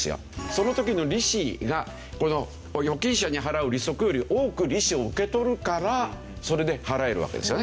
その時の利子がこの預金者に払う利息より多く利子を受け取るからそれで払えるわけですよね。